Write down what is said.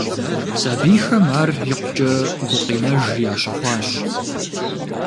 Сабийхэм ар икъукӀэ гукъинэж ящыхъуащ.